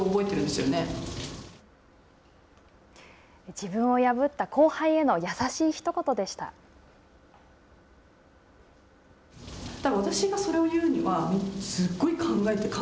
自分を破った後輩への優しいひと言でした。